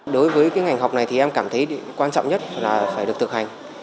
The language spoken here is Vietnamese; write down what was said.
đối với cái ngành học này thì em cảm thấy quan trọng nhất là phải được thực hành